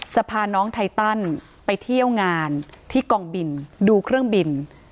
พาน้องไทตันไปเที่ยวงานที่กองบินดูเครื่องบิน